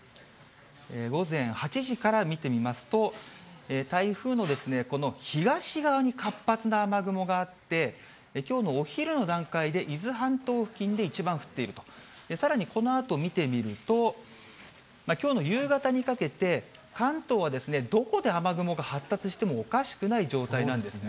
午前８時から見てみますと、台風の東側に活発な雨雲があって、きょうのお昼の段階で伊豆半島付近で一番降っていると、さらにこのあと、見てみると、きょうの夕方にかけて、関東はどこで雨雲が発達してもおかしくない状態なんですね。